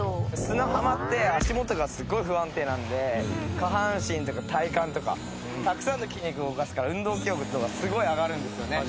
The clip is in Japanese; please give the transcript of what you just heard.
砂浜って足元がすごい不安定なんで下半身とか体幹とかたくさんの筋肉を動かすから運動強度とかすごい上がるんですよね。